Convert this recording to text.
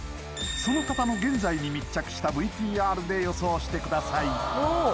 その方の現在に密着したＶＴＲで予想してください